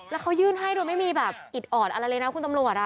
แล้วเขายื่นให้โดยไม่มีแบบอิดอ่อนอะไรเลยนะคุณตำรวจ